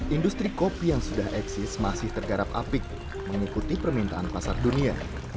industri kopi yang sudah eksis masih tergarap apik mengikuti permintaan pasar dunia